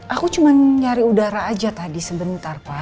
aku cuma nyari udara aja tadi sebentar pak